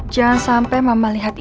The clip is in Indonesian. jangan sampai mama lihat ini